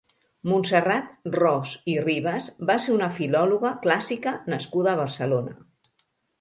Montserrat Ros i Ribas va ser una filòloga clàssica nascuda a Barcelona.